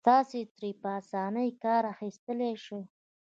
تاسې ترې په اسانۍ کار اخيستلای شئ.